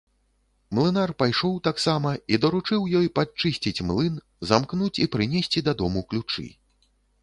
Млынар пайшоў таксама і даручыў ёй падчысціць млын, замкнуць і прынесці дадому ключы.